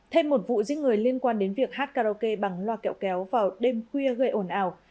thêm một vụ giết người liên quan đến việc hát karaoke bằng loa kẹo kéo vào đêm khuya gây ồn ào